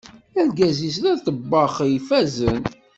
Argaz-is d aḍebbax ifazen.